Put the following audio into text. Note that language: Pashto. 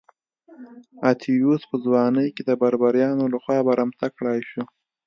اتیوس په ځوانۍ کې د بربریانو لخوا برمته کړای شو.